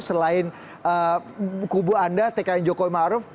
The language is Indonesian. selain kubu anda tkn jokowi maruf